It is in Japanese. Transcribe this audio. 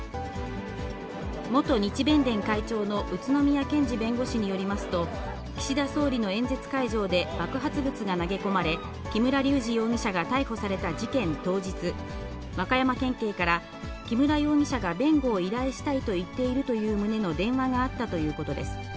元日弁連会長の宇都宮健児弁護士によりますと、岸田総理の演説会場で爆発物が投げ込まれ、木村隆二容疑者が逮捕された事件当日、和歌山県警から、木村容疑者が弁護を依頼したいと言っているという旨の電話があったということです。